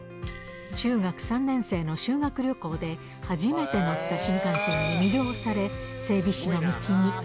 中学３年生の修学旅行で、初めて乗った新幹線に魅了され、整備士の道に。